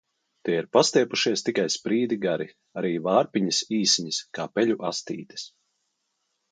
Tie ir pastiepušies tikai sprīdi gari, arī vārpiņas īsiņas, kā peļu astītes.